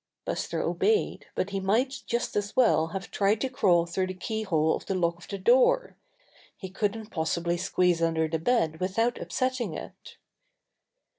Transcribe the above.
Buster obeyed, but he might just as well have tried to crawl through the key hole of the lock on the door. He couldn't possibly squeeze under the bed without upsetting it.